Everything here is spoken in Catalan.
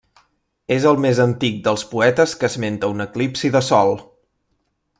És el més antic dels poetes que esmenta un eclipsi de sol.